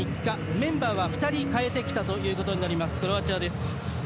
メンバーは２人代えてきたということになりますクロアチアです。